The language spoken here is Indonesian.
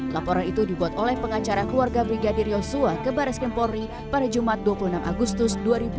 laporan itu dibuat oleh pengacara keluarga brigadir yosua ke baris krim polri pada jumat dua puluh enam agustus dua ribu dua puluh